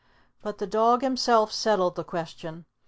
But the dog himself settled the question.